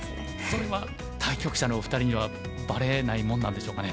それは対局者のお二人にはばれないもんなんでしょうかね。